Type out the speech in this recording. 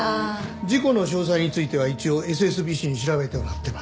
事故の詳細については一応ＳＳＢＣに調べてもらってます。